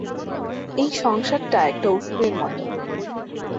এই সংসারটা একটা অসুরের মত।